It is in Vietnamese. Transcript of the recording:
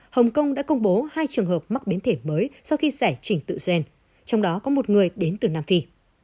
hồng kông đã công bố hai trường hợp mắc biến thể mới sau khi giải trình tự gen trong đó có một người đến từ nam phi